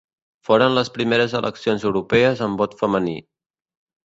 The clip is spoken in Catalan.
Foren les primeres eleccions europees amb vot femení.